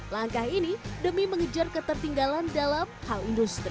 langkah ini demi mengejar ketertinggalan dalam hal industri